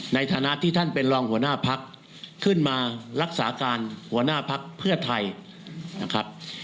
ในฐานะที่ท่านเป็นรองหัวหน้าพักขึ้นมารักษาการหัวหน้าพักเพื่อไทยนะครับ